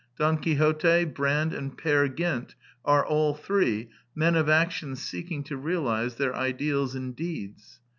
Don Quixote, Brand, and Peer Gynt are, all three, men of action seeking to realize their ideals in deeds.